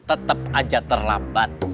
tetep aja terlambat